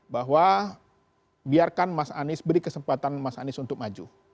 bahwa biarkan mas anies beri kesempatan mas anies untuk maju